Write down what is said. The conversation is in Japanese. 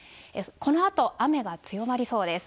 このあと雨は強まりそうです。